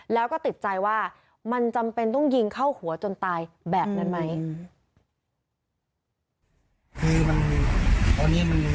แล้วก็ติดใจว่ามันจำเป็นต้องยิงเข้าหัวจนตายแบบนั้นไหม